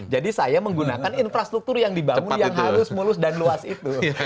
jadi saya menggunakan infrastruktur yang dibangun yang halus mulus dan luas itu